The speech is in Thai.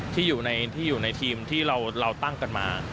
ที่อยู่ในทีมที่เราตั้งกันมา